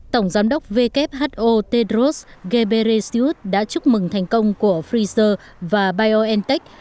tổng giám đốc who tedros ghebreziut đã chúc mừng thành công của pfizer và biontech